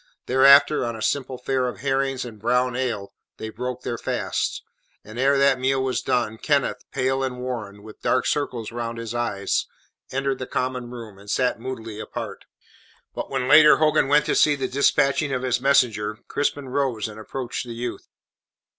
Thereafter, on a simple fare of herrings and brown ale, they broke their fast; and ere that meal was done, Kenneth, pale and worn, with dark circles round his eyes, entered the common room, and sat moodily apart. But when later Hogan went to see to the dispatching of his messenger, Crispin rose and approached the youth.